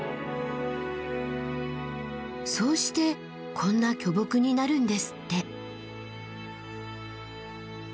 そうしてこんな巨木になるんですって。